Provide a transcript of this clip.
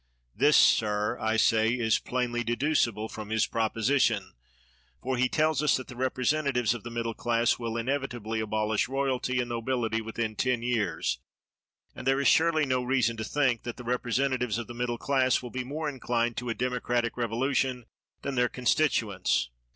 This, sir, I say, is plainly deducible from 133 THE WORLD'S FAMOUS ORATIONS his proposition; for he tells us that the repre sentatives of the middle class will inevitably abolish royalty and nobility within ten years; and there is surely no reason to think that the representatives of the middle class will be more inclined to a democratic revolution than their constituents.